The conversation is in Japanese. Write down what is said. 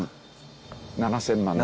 ７０００万年後。